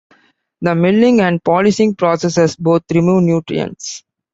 The milling and polishing processes both remove nutrients.